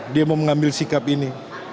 dia mau mengambil sikap ini